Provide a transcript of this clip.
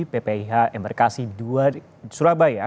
ppih embarkasi dua surabaya